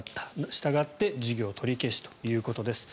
したがって事業取り消しということです。